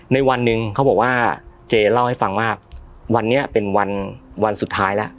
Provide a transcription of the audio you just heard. ในวันหนึ่งเขาบอกว่าเจเล่าให้ฟังว่าวันนี้เป็นวันสุดท้ายแล้ว